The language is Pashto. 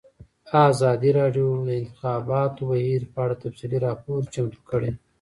ازادي راډیو د د انتخاباتو بهیر په اړه تفصیلي راپور چمتو کړی.